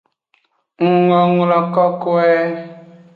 Ngonglo kokoe.